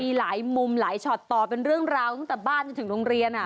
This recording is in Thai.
มีหลายมุมหลายช็อตต่อเป็นเรื่องราวตั้งแต่บ้านจนถึงโรงเรียน